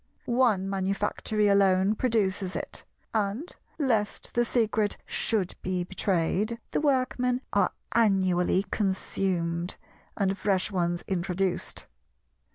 One manufactory alone produces it; and, lest the secret should be betrayed, the Workmen are annually consumed, and fresh ones introduced.